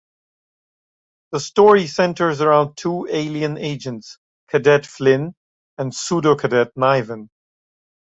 The story centres around two alien agents, Cadet Flynn and Pseudo-Cadet Niven.